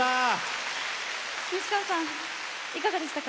西川さん、いかがでしたか？